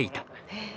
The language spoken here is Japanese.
へえ。